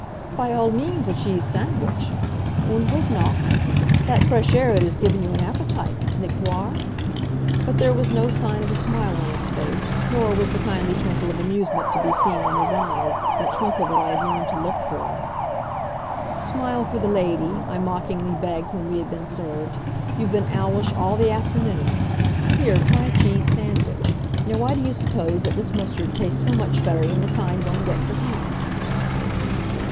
"By all means a cheese sandwich. Und was noch? That fresh air it has given you an appetite, nicht wahr?" But there was no sign of a smile on his face, nor was the kindly twinkle of amusement to be seen in his eyes that twinkle that I had learned to look for. "Smile for the lady," I mockingly begged when we had been served. "You've been owlish all the afternoon. Here, try a cheese sandwich. Now, why do you suppose that this mustard tastes so much better than the kind one gets at home?"